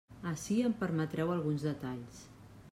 Ací em permetreu alguns detalls.